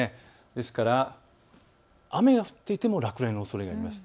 ですから雨が降っていても落雷のおそれがあります。